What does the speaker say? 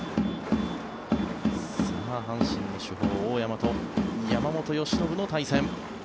阪神の主砲、大山と山本由伸の対戦。